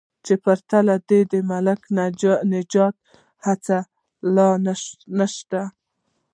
چې پرته له دې د ملک د نجات هیڅ لار نشته.